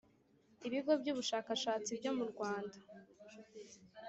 Ibigo by’ubushakashatsi byo mu Rwanda